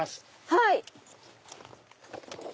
はい。